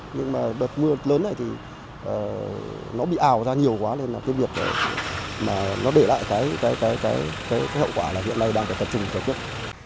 nhưng mà đợt mưa lớn này thì nó bị ảo ra nhiều quá nên là cái việc nó để lại cái hậu quả là hiện nay đang phải tật trình cho tiếp